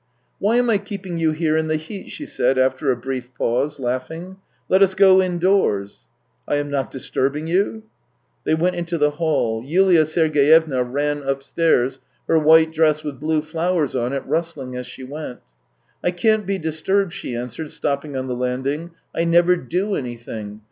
" Why am I keeping you here in the heat ?" she said after a brief pause, laughing. " Let us go indoors." " I am not disturbing you ?" They went into the hall, Yulia Sergeyevna ran upstairs, her white dress with blue flowers on it rustling as she went. " I can't be disturbed," she answered, stopping on the landing. " I never do anything.